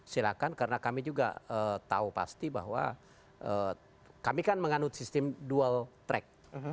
silahkan karena kami juga tahu pasti bahwa kami kan menganut sistem dual track